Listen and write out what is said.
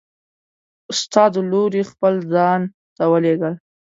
ستا د لورې خپل ځان ته ولیږل!